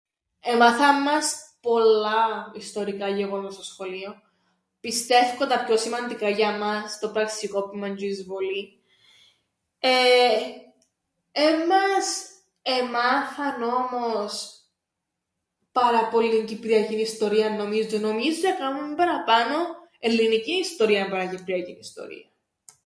Εμάθαν μας πολλά ιστορικά γεγονότα στο σχολείον, πιστεύκω τα πιο σημαντικά για ’μας το πραξικόπημαν τζ̌' η εισβολή, εε, εν μας εμάθαν όμως πάρα πολλήν κυπριακήν ιστορίαν νομίζω, νομίζω εκάμαμεν παραπάνω ελληνικήν ιστορίαν παρά κυπριακήν ιστορία.